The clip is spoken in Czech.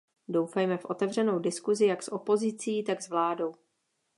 Doufejme v otevřenou diskusi jak s opozicí, tak s vládou.